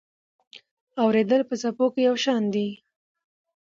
اورېدل په څپو کې یو شان دي.